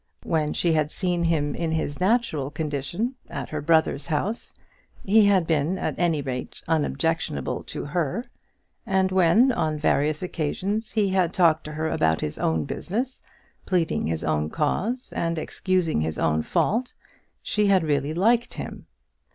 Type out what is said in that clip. When she had seen him in his natural condition, at her brother's house, he had been at any rate unobjectionable to her; and when, on various occasions, he had talked to her about his own business, pleading his own cause and excusing his own fault, she had really liked him.